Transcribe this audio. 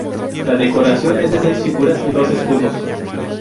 La decoración es de seis figuras y dos escudos.